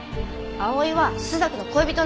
葵は朱雀の恋人なんです。